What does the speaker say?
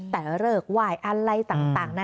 แต่เริกว่ายอะไรต่างนะ